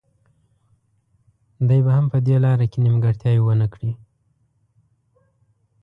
دی به هم په دې لاره کې نیمګړتیا ونه کړي.